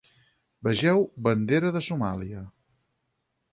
Vegeu, bandera de Somàlia.